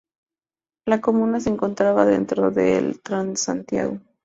La Comuna se encontraba dentro de la del Transantiago.